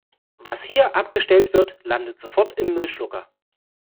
Was hier abgestellt wird, landet sofort im Müllschlucker.